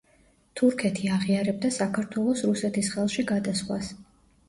თურქეთი აღიარებდა საქართველოს რუსეთის ხელში გადასვლას.